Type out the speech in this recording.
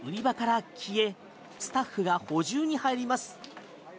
あっという間に売り場から消えスタッフが補充に入ります。